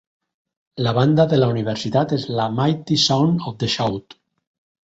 La banda de la universitat és la Mighty Sound of the South.